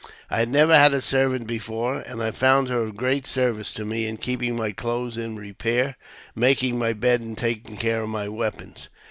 I had never had a servant before, and I found her of great service to me in keeping my clothes in repair, making my bed, and taking care of my weapons.